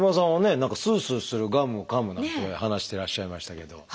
何かスースーするガムをかむなんて話してらっしゃいましたけど。